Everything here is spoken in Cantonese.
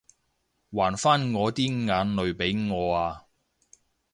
還返我啲眼淚畀我啊